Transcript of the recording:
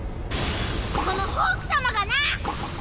このホーク様がな！